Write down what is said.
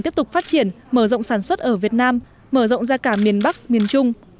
tiếp tục phát triển mở rộng sản xuất ở việt nam mở rộng ra cả miền bắc miền trung